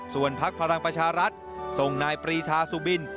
ส่วนพักพลังประชารัฐส่งนายปรีชาสุบิน